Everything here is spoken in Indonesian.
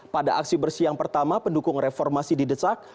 pada aksi bersih yang pertama pendukung reformasi di desak